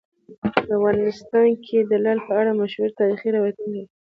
افغانستان د لعل په اړه مشهور تاریخی روایتونه لري.